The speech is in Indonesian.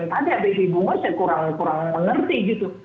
tadi abis abis itu saya kurang mengerti gitu